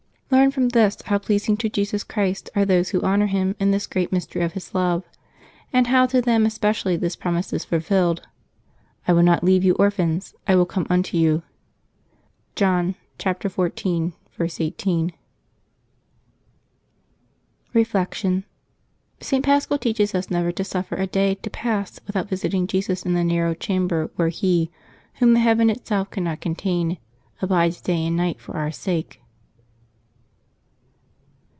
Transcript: Learn from this how pleasing to Jesus Christ are those who honor Him in this great mystery of His love; and how to them espe cially this promise is fulfilled :" I will not leave you orphans: I will come unto you" (John xiv. 18). Reflection. — St. Paschal teaches us never to suffer a day to pass without visiting Jesus in the narrow chamber where He, Whom the heaven itself cannot contain, abides day and night for our sake.